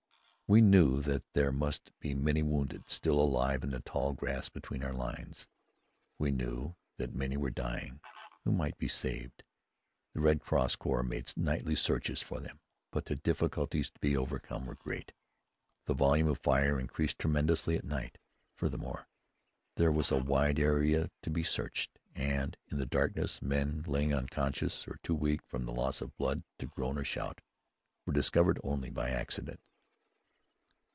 We knew that there must be many wounded still alive in the tall grass between our lines. We knew that many were dying who might be saved. The Red Cross Corps made nightly searches for them, but the difficulties to be overcome were great. The volume of fire increased tremendously at night. Furthermore, there was a wide area to be searched, and in the darkness men lying unconscious, or too weak from the loss of blood to groan or shout, were discovered only by accident.